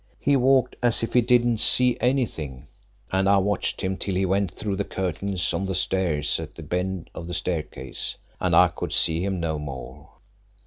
He walked as if he didn't see anything, and I watched him till he went through the curtains on the stairs at the bend of the staircase and I could see him no more.